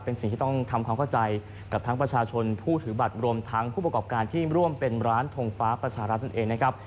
เป็นสิ่งที่ต้องทำความเข้าใจกับทั้งประชาชนผู้ถือบัตรรวมทั้งผู้ประกอบการที่ร่วมเป็นร้านทงฟ้าประชารัฐนั่นเองนะครับ